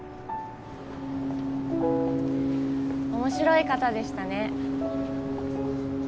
面白い方でしたね